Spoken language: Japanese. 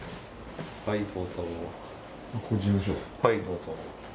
はいどうぞ。